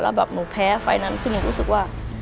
แล้วแบบหนูแพ้ไฟล์นั้นคือหนูรู้สึกว่า